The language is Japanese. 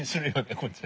こっちは。